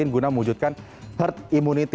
guna memujudkan herd immunity